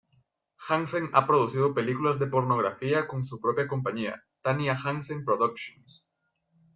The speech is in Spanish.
Hansen ha producido películas de pornografía con su propia compañía, Tanya Hansen Productions.